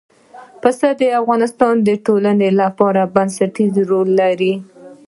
پسه د افغانستان د ټولنې لپاره بنسټيز رول لري.